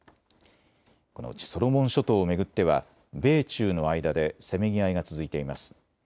このうちソロモン諸島を巡っては米中の間でせめぎ合いが続いています。